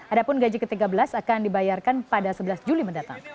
adapun gaji ke tiga belas akan dibayarkan pada sebelas juli mendatang